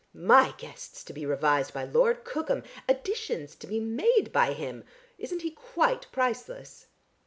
My guests to be revised by Lord Cookham! Additions to be made by him! Isn't he quite priceless?"